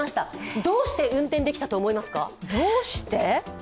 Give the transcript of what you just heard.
どうして運転できたと思いますか？